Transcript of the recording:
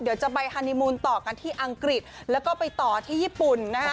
เดี๋ยวจะไปฮานีมูลต่อกันที่อังกฤษแล้วก็ไปต่อที่ญี่ปุ่นนะฮะ